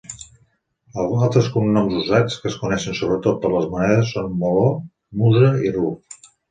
Altres cognoms usats, que es coneixen sobretot per les monedes, són Moló, Musa i Ruf.